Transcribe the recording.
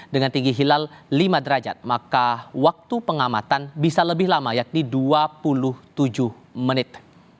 dengan tinggi hilal lima derajat maka waktu pengamatan bisa lebih lama yakni dua puluh tujuh menit